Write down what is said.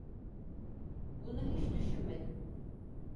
Bunu hiç düşünmedim.